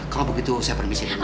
kalau begitu saya permisi